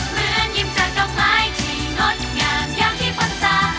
เหมือนยิ้มจากกล้องไม้ที่งดงามอย่างที่พนศา